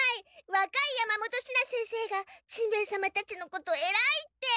わかい山本シナ先生がしんべヱ様たちのこと「えらい」って。